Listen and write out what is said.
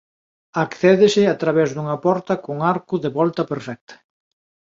Accédese a través dunha porta con arco de volta perfecta.